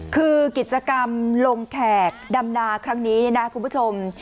คือกิจกรรมลงแขกดำนาครั้งนี้เนี่ยนะคุณผู้ชม